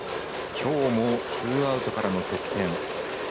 きょうもツーアウトからの得点。